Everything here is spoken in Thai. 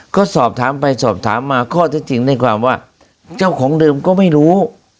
ก็สอบถามไปสอบถามมาข้อเท็จจริงในความว่าเจ้าของเดิมก็ไม่รู้